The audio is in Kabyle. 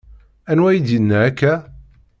Anwa i d-yenna akka?